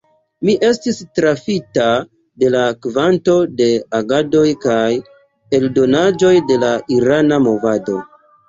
Mi estis trafita de la kvanto de agadoj kaj eldonaĵoj de la irana movado.